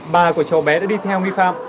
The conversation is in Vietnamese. ba của chó bé đã đi theo nghi phạm